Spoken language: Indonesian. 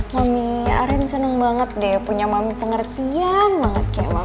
mami arin seneng banget deh punya pengertian banget kayak mama